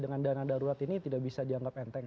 dengan dana darurat ini tidak bisa dianggap enteng